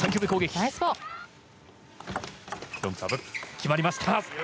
決まりました。